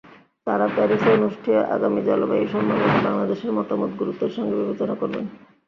তাঁরা প্যারিসে অনুষ্ঠেয় আগামী জলবায়ু সম্মেলনে বাংলাদেশের মতামত গুরুত্বের সঙ্গে বিবেচনা করবেন।